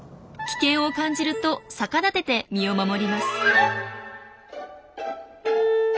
危険を感じると逆立てて身を守ります。